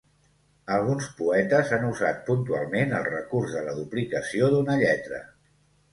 Alguns poetes han usat puntualment el recurs de la duplicació d'una lletra.